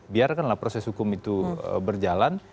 biarkanlah proses hukum itu berjalan